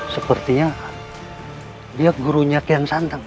sepertinya dia gurunya kian santang